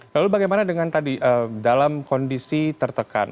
lalu bagaimana dengan tadi dalam kondisi tertekan